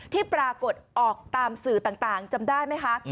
ที่ปรากฏออกตามสื่อต่างจำได้ไหมคะ